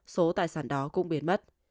số tài sản đó cũng biến mất